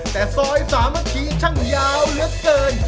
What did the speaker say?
แต่ซอยสามัคคีช่างยาวเหลือเกิน